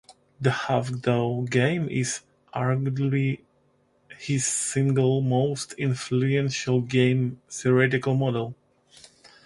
The Hawk-Dove game is arguably his single most influential game theoretical model.